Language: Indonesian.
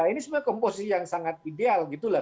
ini sebenarnya komposisi yang sangat ideal gitu lah